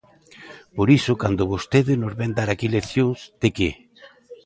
Por iso, cando vostede nos vén dar aquí leccións, ¿de que?